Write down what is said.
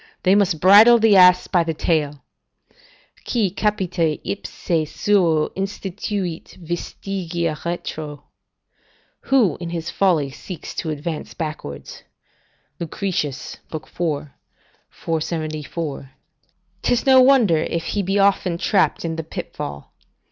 They must bridle the ass by the tail: "Qui capite ipse suo instituit vestigia retro," ["Who in his folly seeks to advance backwards" Lucretius, iv. 474] 'tis no wonder if he be often trapped in the pitfall.